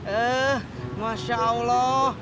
eh masya allah